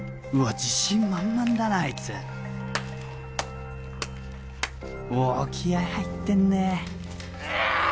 自信満々だなあいつお気合い入ってんねああ！